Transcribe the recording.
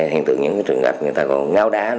hiện tượng những trường hợp người ta còn ngáo đá